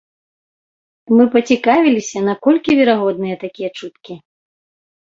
Мы пацікавіліся, наколькі верагодныя такія чуткі.